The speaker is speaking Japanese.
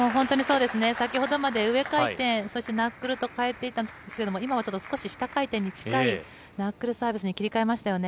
先ほどまで上回転、ナックルと変えていたんですけども今は少し下回転に近いナックルサービスに切り替えましたね。